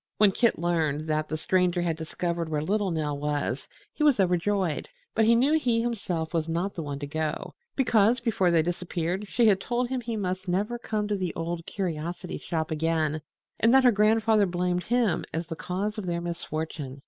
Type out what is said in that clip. When Kit learned that The Stranger had discovered where little Nell was he was overjoyed; but he knew he himself was not the one to go, because before they disappeared she had told him he must never come to the Old Curiosity Shop again and that her grandfather blamed him as the cause of their misfortune.